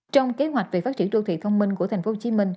trong kế hoạch về phát triển đô thị thông minh của tp hcm